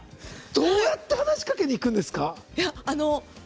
どうやって話しかけにいくんですか？